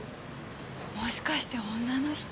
もしかして女の人？